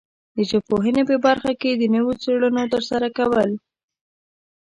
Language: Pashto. د ژبپوهنې په برخه کې د نویو څېړنو ترسره کول